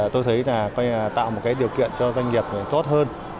tôi thấy là tạo một cái điều kiện cho doanh nghiệp tốt hơn